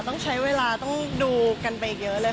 ต้องใช้เวลาต้องดูกันไปเยอะเลยค่ะ